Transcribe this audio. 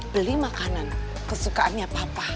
beli makanan kesukaannya papa